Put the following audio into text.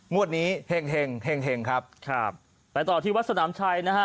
งวดนี้เห็งเห็งครับครับไปต่อที่วัดสนามชัยนะฮะ